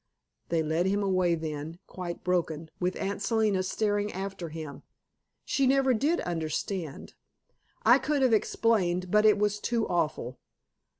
They led him away then, quite broken, with Aunt Selina staring after him. She never did understand. I could have explained, but it was too awful.